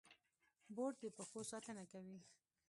بوټ د پښو ساتنه کوي.